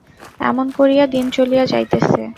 এমনি করিয়া দিন চলিয়া যাইতেছে।